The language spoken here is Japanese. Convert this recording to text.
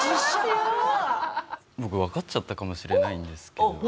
僕わかっちゃったかもしれないんですけど。